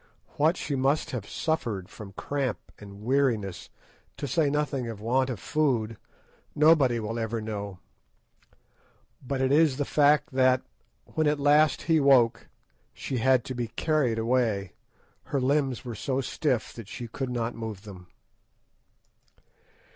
What she must have suffered from cramp and weariness, to say nothing of want of food, nobody will ever know; but it is the fact that, when at last he woke, she had to be carried away—her limbs were so stiff that she could not move them.